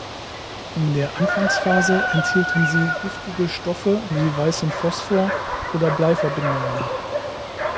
In der Anfangsphase enthielten sie giftige Stoffe wie weißen Phosphor oder Bleiverbindungen.